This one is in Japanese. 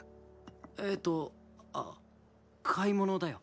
えっとあっ買い物だよ。